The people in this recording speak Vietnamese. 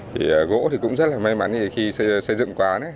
thì gỗ thì cũng rất là may mắn khi xây dựng quán